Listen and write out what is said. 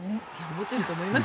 思っていると思います。